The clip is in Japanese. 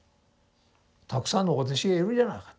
たくさんのお弟子がいるじゃないか。